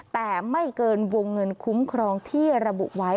แต่ไม่เกินวงเงินคุ้มครองที่ระบุไว้